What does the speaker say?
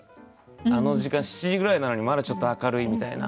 あの時間７時ぐらいなのにまだちょっと明るいみたいな。